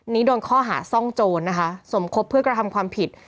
โดนข้อหาซ่องโจรนะคะสมคบเพื่อกระทำความผิด